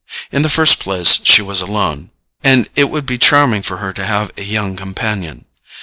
In the first place she was alone, and it would be charming for her to have a young companion.